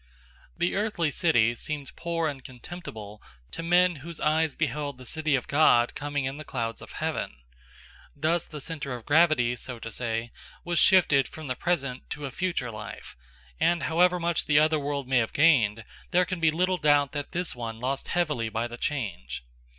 The earthly city seemed poor and contemptible to men whose eyes beheld the City of God coming in the clouds of heaven. Thus the centre of gravity, so to say, was shifted from the present to a future life, and however much the other world may have gained, there can be little doubt that this one lost heavily by the change.